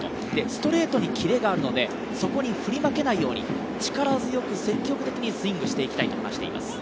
ストレートにキレがあるので、そこに振り負けないように、力強く積極的にスイングしていきたいと話しています。